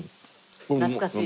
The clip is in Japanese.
懐かしい。